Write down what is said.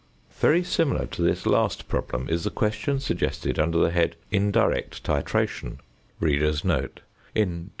Very similar to this last problem is the question suggested under the head "Indirect Titration" (p.